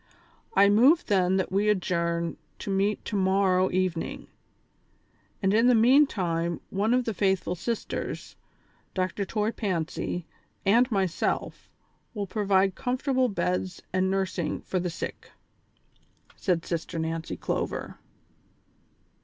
I move then that we adjourn to meet to morrow evening, and in the meantime one of the faithful sisters, Dr. Toy Fancy and myself will provide comfortable beds and nursing for the sick," said Sister iSTancy Clover.